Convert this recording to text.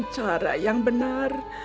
dengan cara yang benar